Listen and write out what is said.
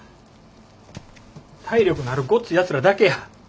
体力のあるごっついやつらだけや。